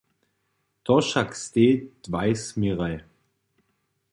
To wšak stej dwaj směraj.